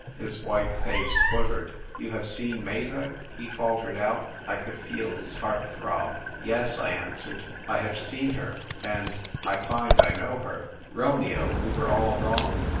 His white face quivered. "You have seenMeta?"he faltered out. I could feel his heart throb. " Yes," I answered, " I have seen her, and — I find I know her. Romeo, we were all wrong.